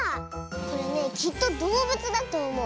これねきっとどうぶつだとおもう。